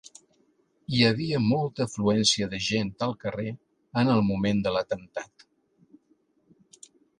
Hi havia molta afluència de gent al carrer en el moment de l'atemptat